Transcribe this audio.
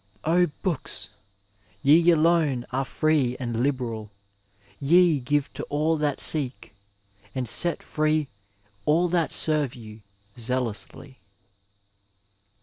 O Books ! ye alone are free and liberal. Te give to all that seek^ and set free all that serve you zealously.